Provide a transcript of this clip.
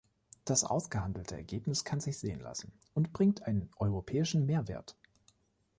Das ausgehandelte Ergebnis kann sich sehen lassen und bringt einen europäischen Mehrwert.